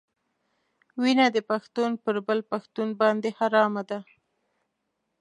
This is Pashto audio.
وینه د پښتون پر بل پښتون باندې حرامه ده.